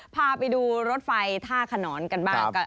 พาไปดูรถไฟท่าขนอนกันบ้าง